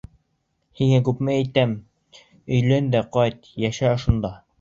Һиңә күпме әйтәм: «Өйлән дә ҡайт, йәшә ошонда!»